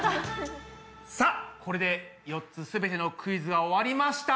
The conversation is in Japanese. さあこれで４つすべてのクイズが終わりました。